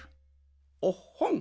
おっほん。